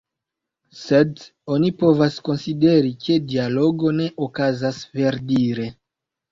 Sed, oni povas konsideri ke dialogo ne okazas, verdire.